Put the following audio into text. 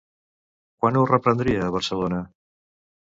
Quan ho reprendria a Barcelona?